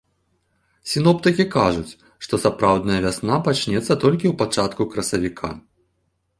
Сіноптыкі кажуць, што сапраўдная вясна пачнецца толькі ў пачатку красавіка.